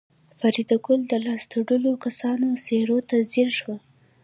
فریدګل د لاس تړلو کسانو څېرو ته ځیر شو